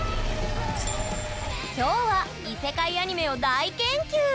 今日は異世界アニメを大研究！